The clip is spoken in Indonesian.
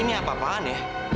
ini apa apaan ya